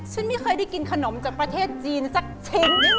ฉันไม่เคยได้กินขนมจากประเทศจีนสักเช่น